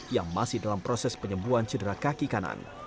yang masih dalam proses penyembuhan cedera kaki kanan